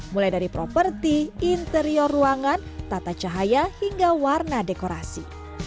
mulai dari properti interior ruangan tata cahaya hingga warna dekorasi